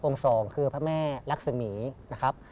สองคือพระแม่รักษมีนะครับ